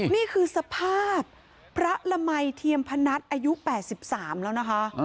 นี่คือสภาพพระละมัยเทียมพนัทอายุ๘๓แล้วนะคะ